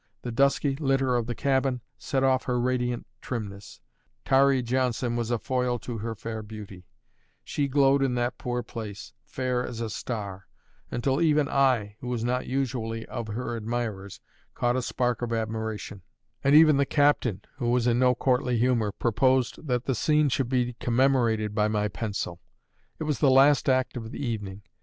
The dusky litter of the cabin set off her radiant trimness: tarry Johnson was a foil to her fair beauty; she glowed in that poor place, fair as a star; until even I, who was not usually of her admirers, caught a spark of admiration; and even the captain, who was in no courtly humour, proposed that the scene should be commemorated by my pencil. It was the last act of the evening.